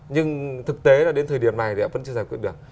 nhưng thực tế là đến thời điểm này thì vẫn chưa giải quyết được